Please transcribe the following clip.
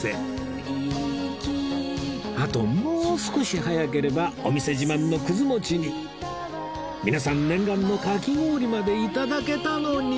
あともう少し早ければお店自慢のくず餅に皆さん念願のかき氷までいただけたのに